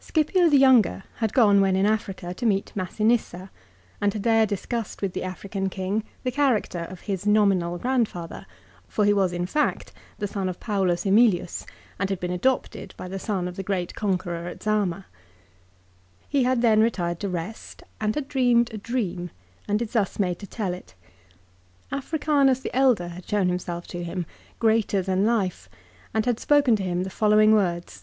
SciPio the younger, had gone when in Africa to meet Massinissa, and had there discussed with the African king the character of his nominal grandfather, for he was in fact the son of Paulus ^Emilius and had been adopted by the son of the great conqueror at Zama. He had then retired to rest, and had dreamed a dream, and is thus made to tell it. Africanus the elder had shown himself to him, greater than life, and had spoken to him .in the following words.